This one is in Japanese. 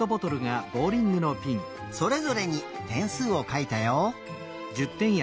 それぞれにてんすうをかいたよ。